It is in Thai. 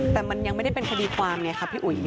แต่มันยังไม่ได้เป็นคดีความไงค่ะพี่อุ๋ย